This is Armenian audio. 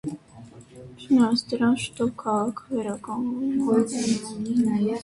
Չնայած դրան, շուտով քաղաքը վերականգնվում է։